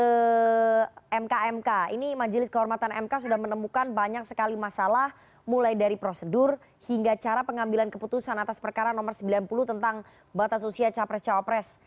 ke mk mk ini majelis kehormatan mk sudah menemukan banyak sekali masalah mulai dari prosedur hingga cara pengambilan keputusan atas perkara nomor sembilan puluh tentang batas usia capres cawapres